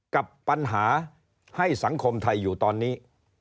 กับปัญหาให้สังคมไทยอยู่ตอนนี้